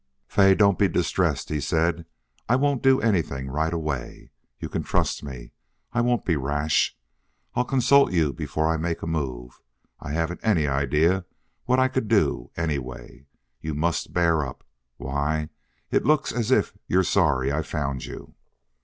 "Fay, don't be distressed," he said. "I won't do anything right away. You can trust me. I won't be rash. I'll consult you before I make a move. I haven't any idea what I could do, anyway.... You must bear up. Why, it looks as if you're sorry I found you."